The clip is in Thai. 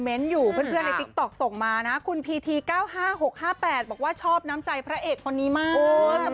มัน๑๒๐๐๑๓๐๐บ้านครับ๒ชั่วโมงหมดแล้ว